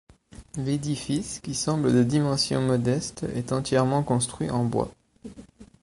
L'édifice, qui semble de dimensions modestes, est entièrement construit en bois.